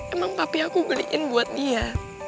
emang papi aku beliin buat dia